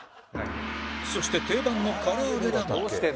そして定番の唐揚げだが